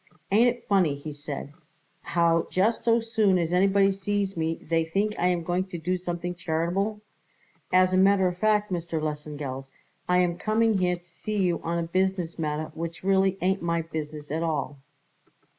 "Ain't it funny," he said, "how just so soon as anybody sees me they think I am going to do something charitable? As a matter of fact, Mr. Lesengeld, I am coming here to see you on a business matter which really it ain't my business at all."